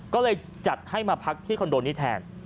ก็เลยจัดให้มาพักที่คอนโดนี้แทน